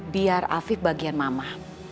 biar afif bagian mama